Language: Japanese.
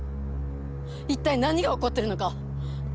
一体何が起こってるのか。